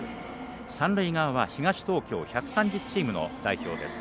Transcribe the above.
三塁側は東東京１３０チームの代表です。